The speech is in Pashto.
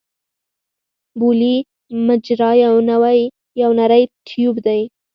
بولي مجرا یو نری ټیوب دی.